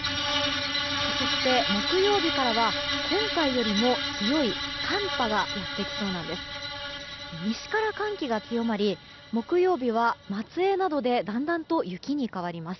そして、木曜日からは今回よりも強い寒波がやってきそうなんです。